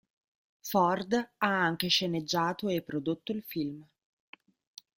Ford ha anche sceneggiato e prodotto il film.